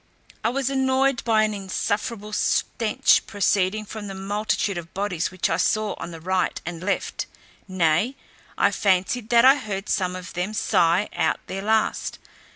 I was annoyed by an insufferable stench proceeding from the multitude of bodies which I saw on the right and left; nay, I fancied that I heard some of them sigh out their last.